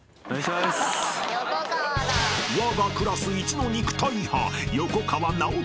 ［わがクラスいちの肉体派］